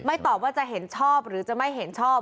ตอบว่าจะเห็นชอบหรือจะไม่เห็นชอบ